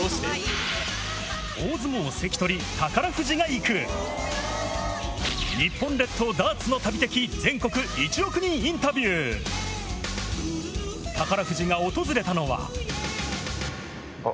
大相撲関取、宝富士が行く、日本列島ダーツの旅的全国１億人インタビュー。あっ！